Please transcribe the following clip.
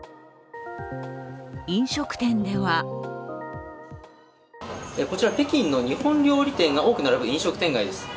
飲食店ではこちら北京の日本料理店が多く並ぶ飲食店街です。